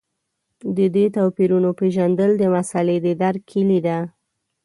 د دې توپیرونو پېژندل د مسألې د درک کیلي ده.